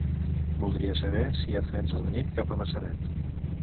Voldria saber si hi ha trens a la nit cap a Maçanet.